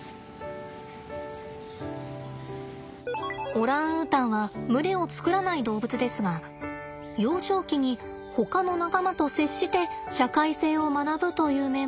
オランウータンは群れを作らない動物ですが幼少期にほかの仲間と接して社会性を学ぶという面もあります。